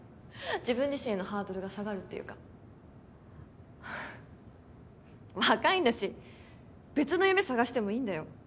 自分自身へのハードルが下がるっていうか若いんだし別の夢探してもいいんだよ